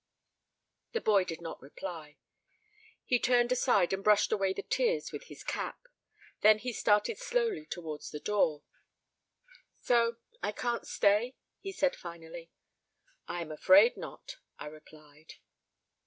The boy did not reply; he turned aside and brushed away the tears with his cap. Then he started slowly towards the door. "So I can't stay?" he said finally. "I am afraid not," I replied.